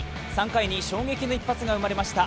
３回に衝撃の一発が生まれました。